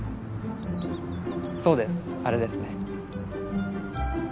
そうですあれですね。